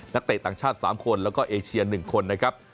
เตะต่างชาติ๓คนแล้วก็เอเชีย๑คนนะครับ